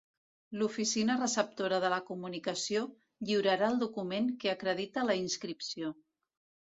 L'oficina receptora de la comunicació lliurarà el document que acredita la inscripció.